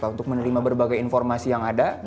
untuk menerima berbagai informasi yang ada